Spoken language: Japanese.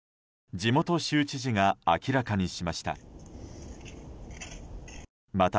地元州知事が明らかにしました。